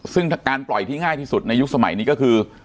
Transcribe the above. ซึ่งการปล่อยที่ง่ายที่สุดในยุคสมัยนี้ก็คือ